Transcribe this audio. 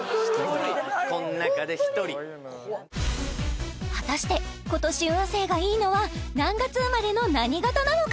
この中で１人果たして今年運勢がいいのは何月生まれの何型なのか？